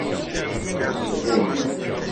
Shum!